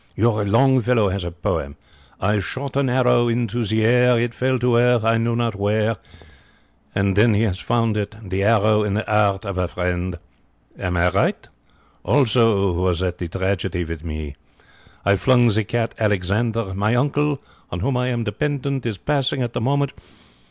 Your Longfellow has a poem. 'I shot an arrow into the air. It fell to earth, I know not where.' And then he has found it. The arrow in the 'eart of a friend. Am I right? Also was that the tragedy with me. I flung the cat Alexander. My uncle, on whom I am dependent, is passing at the moment.